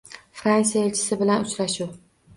Fransiya elchisi bilan uchrashuv